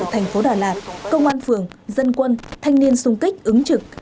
tp đà lạt công an phường dân quân thanh niên xung kích ứng trực